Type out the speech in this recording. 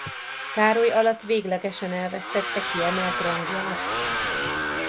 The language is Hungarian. Károly alatt véglegesen elvesztette kiemelt rangját.